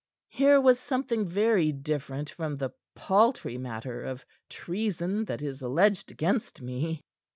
Here was something very different from the paltry matter of treason that is alleged against me."